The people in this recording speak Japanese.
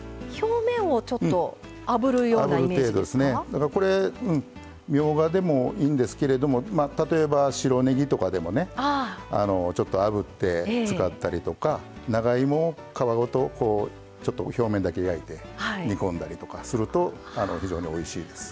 だからこれみょうがでもいいんですけれども例えば白ねぎとかでもねちょっとあぶって使ったりとか長芋を皮ごとこうちょっと表面だけ焼いて煮込んだりとかすると非常においしいです。